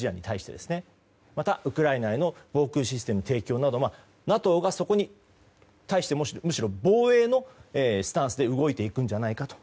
また、ウクライナへの防空システム提供などＮＡＴＯがそこに対してむしろ防衛のスタンスで動いていくんじゃないかと。